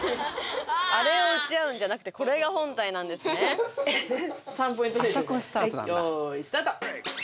あれを打ち合うんじゃなくてこれが本体なんですねはい用意スタート！